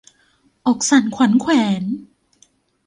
อกสั่นขวัญแขวน